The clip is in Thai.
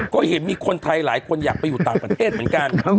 ก็เห็นมีคนไทยหลายคนอยากไปอยู่ต่างประเทศเหมือนกัน